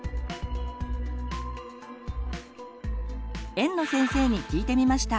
園の先生に聞いてみました。